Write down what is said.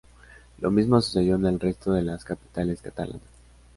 Lo mismo sucedió en el resto de las capitales catalanas.